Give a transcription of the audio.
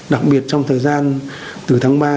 đặc biệt trong thời gian từ tháng ba